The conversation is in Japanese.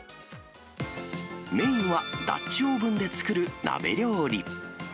メインはダッチオーブンで作る鍋料理。